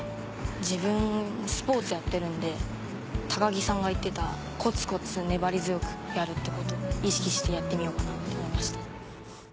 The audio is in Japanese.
自分スポーツやってるんで木さんが言ってたコツコツ粘り強くやるってこと意識してやってみようかなって思いました。